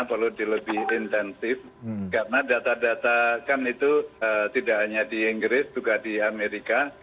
perlu dilebih intensif karena data data kan itu tidak hanya di inggris juga di amerika